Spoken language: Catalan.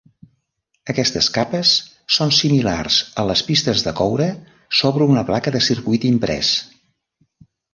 Aquestes capes són similars a les pistes de coure sobre una placa de circuit imprès.